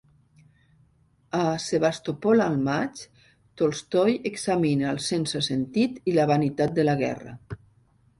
A "Sebastopol al maig", Tolstoi examina el sense-sentit i la vanitat de la guerra.